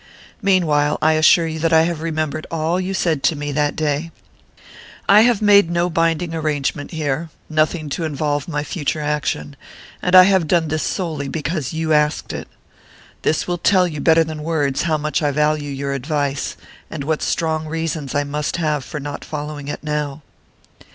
"Meanwhile, I assure you that I have remembered all you said to me that day. I have made no binding arrangement here nothing to involve my future action and I have done this solely because you asked it. This will tell you better than words how much I value your advice, and what strong reasons I must have for not following it now.